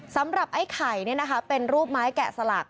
สำหรับไอ้ไข่เนี่ยนะคะเป็นรูปไม้แกะสลาก